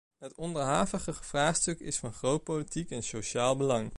Het onderhavige vraagstuk is van groot politiek en sociaal belang.